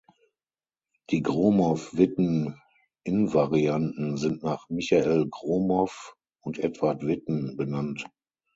Die Gromov-Witten-Invarianten sind nach Michail Gromow und Edward Witten benannt.